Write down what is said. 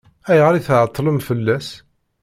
Ayɣer i tɛeṭṭlem fell-as?